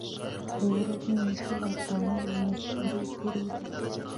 د ورځې مې شل افغانۍ مزدورۍ کړې ده.